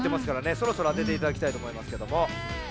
そろそろあてていただきたいとおもいますけども。